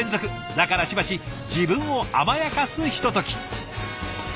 だからしばし自分を甘やかすひととき。